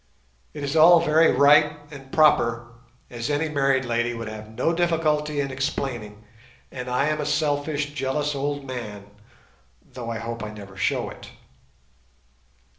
It is all very right and proper, as any married lady would have no difficulty in explaining, and I am a selfish, jealous old man, though I hope I never show it.